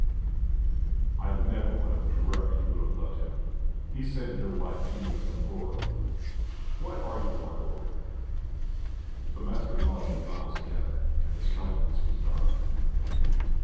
"I never could have dreamt you would have left him. He saved your life two minutes before.... Why are you our lord?" The master gnawed his knuckles again, and his countenance was dark.